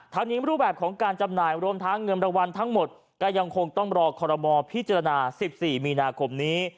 ทั้งนี้รูปแบบของการจำหน่ายรวมทั้งเงินรางวัลทั้งหมดก็ยังคงต้องรอคอรมอลพิจารณา๑๔มีนาคมนี้